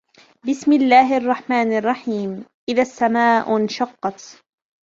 بِسْمِ اللَّهِ الرَّحْمَنِ الرَّحِيمِ إِذَا السَّمَاءُ انْشَقَّتْ